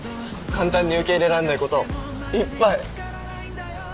簡単に受け入れらんないこといっぱい。